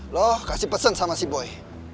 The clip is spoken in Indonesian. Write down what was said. loh kasih pesen sama si boy